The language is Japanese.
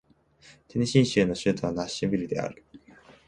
テネシー州の州都はナッシュビルである